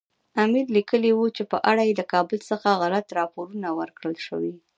امیر لیکلي وو چې په اړه یې له کابل څخه غلط راپورونه ورکړل شوي.